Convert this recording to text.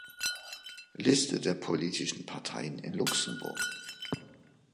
Liste der politischen Parteien in Luxemburg